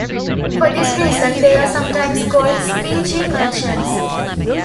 For this reason, they are sometimes called squeegee merchants.